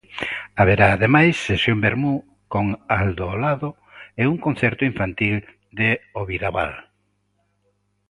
Haberá ademais sesión vermú con Aldaolado e un concerto infantil de Oviraval.